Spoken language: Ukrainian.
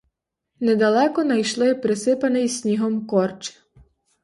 Недалеко найшли присипаний снігом корч.